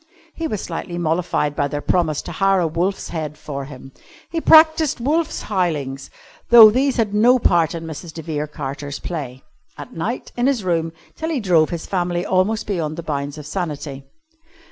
He was slightly mollified by their promise to hire a wolf's head for him. He practised wolf's howlings (though these had no part in Mrs. de Vere Carter's play) at night in his room till he drove his family almost beyond the bounds of sanity.